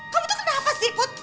kamu tuh kenapa sih put